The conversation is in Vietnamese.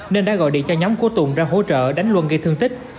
nên đã gọi điện cho nhóm của tùng ra hỗ trợ đánh luân gây thương tích